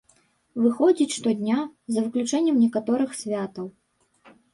Выходзіць штодня, за выключэннем некаторых святаў.